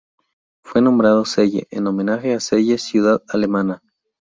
Fue nombrado Celle en homenaje a Celle ciudad alemana.